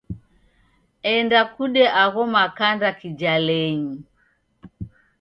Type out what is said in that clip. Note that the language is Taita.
Enda kude agho makanda kijalenyi.